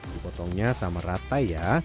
dipotongnya sama rata ya